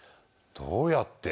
どうやって？